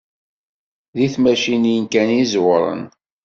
Di tecmatin kan i ẓewren.